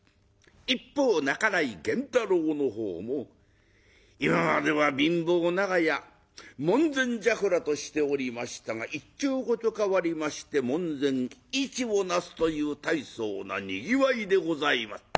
一方半井源太郎のほうも今までは貧乏長屋門前雀羅としておりましたが一朝こと変わりまして門前市を成すという大層なにぎわいでございます。